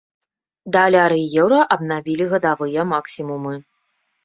Даляр і еўра абнавілі гадавыя максімумы.